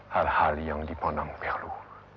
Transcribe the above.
hal hal yang dipandang perlu